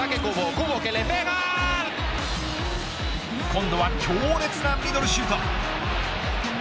今度は強烈なミドルシュート。